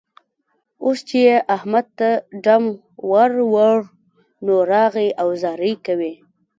اوس چې يې احمد ته ډم ور وړ؛ نو، راغی او زارۍ کوي.